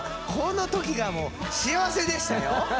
この時がもう幸せでしたよ。